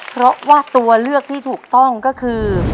เพราะว่าตัวเลือกที่ถูกต้องก็คือ